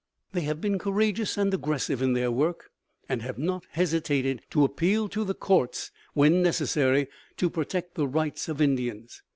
They have been courageous and aggressive in their work, and have not hesitated to appeal to the courts when necessary to protect the rights of Indians.